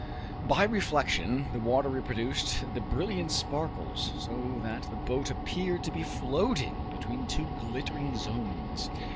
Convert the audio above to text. By reflection the water reproduced the brilliant sparkles, so that the boat appeared to be floating between two glittering zones.